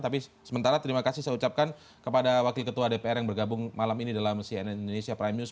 tapi sementara terima kasih saya ucapkan kepada wakil ketua dpr yang bergabung malam ini dalam cnn indonesia prime news